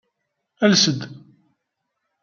Ales-d.